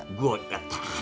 やった！